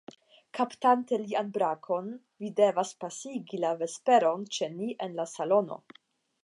Kaptante lian brakon, vi devas pasigi la vesperon ĉe ni en la salono.